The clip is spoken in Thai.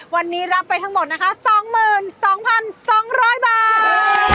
วันนี้รับไปทั้งหมดนะคะ๒๒๒๐๐บาท